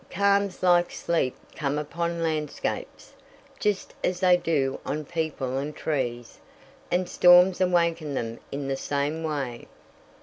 Calms like sleep come upon landscapes, just as they do on people and trees, and storms awaken them in the same way.